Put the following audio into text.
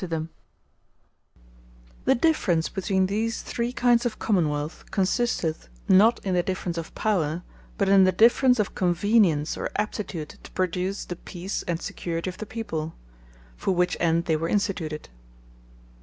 Comparison Of Monarchy, With Soveraign Assemblyes The difference between these three kindes of Common wealth, consisteth not in the difference of Power; but in the difference of Convenience, or Aptitude to produce the Peace, and Security of the people; for which end they were instituted.